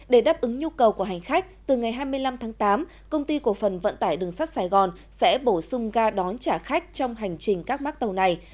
để đáp ứng nhu cầu của hành khách từ ngày hai mươi năm tháng tám công ty cổ phần vận tải đường sắt sài gòn sẽ bổ sung ga đón trả khách trong hành trình các mắc tàu này